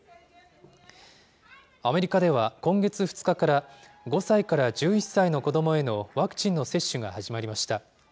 アメリカでは、今月２日から５歳から１１歳の子どもへのワクチンの接種が始まりました。